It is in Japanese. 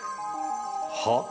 はっ？